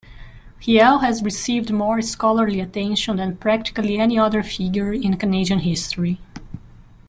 Riel has received more scholarly attention than practically any other figure in Canadian history.